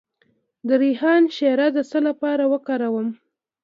د ریحان شیره د څه لپاره وکاروم؟